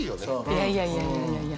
いやいやいやいやいやいや。